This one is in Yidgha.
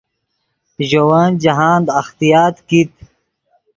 ژے ون جاہند اختیاط کیت